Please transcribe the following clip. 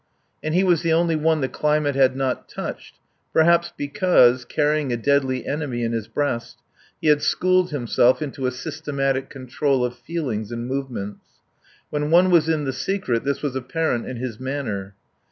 And he was the only one the climate had not touched perhaps because, carrying a deadly enemy in his breast, he had schooled himself into a systematic control of feelings and movements. When one was in the secret this was apparent in his manner.